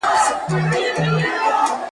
کله دي زړه ته دا هم تیریږي؟ `